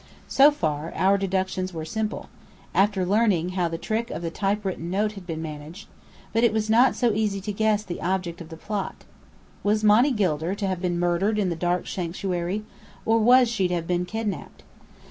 So far, our deductions were simple, after learning how the trick of the typewritten note had been managed: but it was not so easy to guess the object of the plot. Was Monny Gilder to have been murdered in the dark Sanctuary, or was she to have been kidnapped?